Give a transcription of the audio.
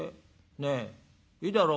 ねえいいだろ？